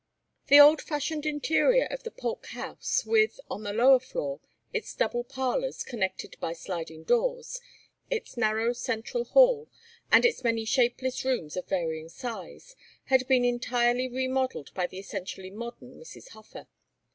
XXXIII The old fashioned interior of the Polk House, with, on the lower floor, its double parlors connected by sliding doors, its narrow central hall, and its many shapeless rooms of varying size, had been entirely remodelled by the essentially modern Mrs. Hofer.